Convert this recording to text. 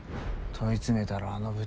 問い詰めたらあの豚。